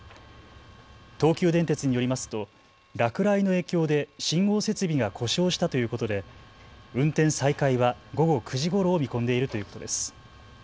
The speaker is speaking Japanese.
東急電鉄によりますと落雷の影響で信号設備が故障したということで運転再開は午後９時ごろを見込んでいるということです。